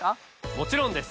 もちろんです！